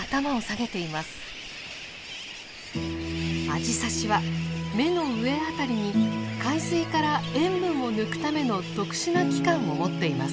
アジサシは目の上辺りに海水から塩分を抜くための特殊な器官を持っています。